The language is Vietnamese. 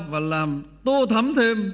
và làm tô thắm thêm